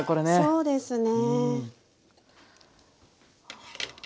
そうですね。